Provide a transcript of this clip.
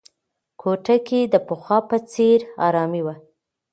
کوټه کې د پخوا په څېر ارامي وه.